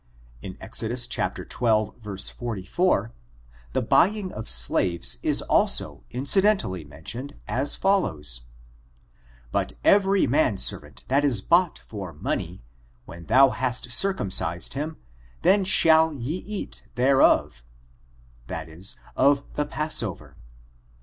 In Exodus xii, 44, the buying of slaves is also in cidentally mentioned as follows: "But every man servant that is bought for money, when thou hast cir cumcised him, then shall he eat thereof," that is, of the passover.